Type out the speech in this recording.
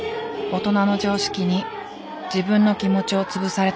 「大人の常識に自分の気持ちを潰されたくない」。